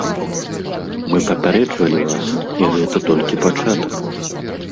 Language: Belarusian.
Мы папярэджвалі вас, і гэта толькі пачатак.